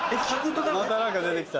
また何か出てきた。